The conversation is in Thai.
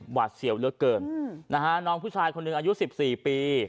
หวาดเสียวเหลือเกินนะฮะน้องผู้ชายคนหนึ่งอายุ๑๔ปี